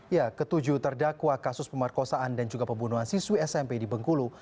ya ketujuh terdakwa kasus pemerkosaan dan juga pembunuhan siswi smp di bengkulu